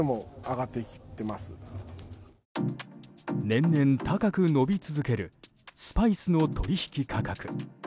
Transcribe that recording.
年々、高く伸び続けるスパイスの取引価格。